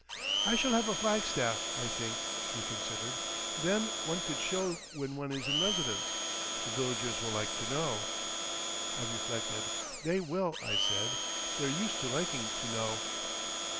"I shall have a flagstaff, I think," he considered. "Then one could show when one is in residence. The villagers will like to know."... I reflected. "They will" I said. "They're used to liking to know."...